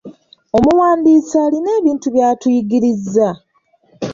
Omuwandiisi alina ebintu by'atuyigiriza.